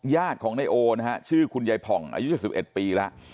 ยาดของเนี่ยโอนะฮะชื่อคุณยายผ่องอายุจะ๑๑ปีละ